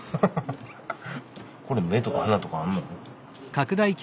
これ目とか鼻とかあんの？